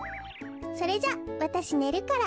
それじゃわたしねるから。